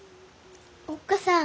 おっ母さん